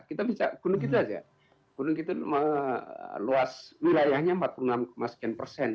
kita bisa gunung itu saja gunung kita luas wilayahnya empat puluh enam sekian persen